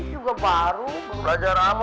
ini juga baru belajar apa